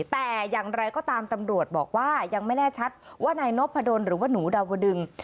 แต่อย่างไรก็ตามตำรวจบอกว่ายังไม่แน่ชัดว่านายนพดลหรือว่าหนูดาวดึง